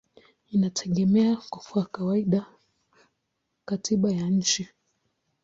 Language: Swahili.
inategemea kwa kawaida katiba ya nchi.